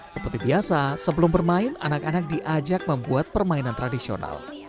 seperti biasa sebelum bermain anak anak diajak membuat permainan tradisional